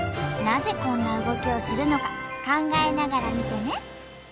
なぜこんな動きをするのか考えながら見てね。